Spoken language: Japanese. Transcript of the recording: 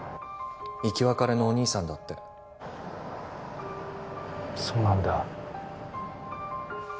生き別れのお兄さんだってそうなんだ